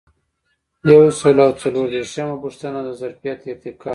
یو سل او څلور دیرشمه پوښتنه د ظرفیت ارتقا ده.